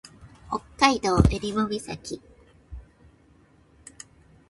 北海道襟裳岬